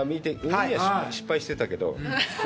海は失敗してたけど。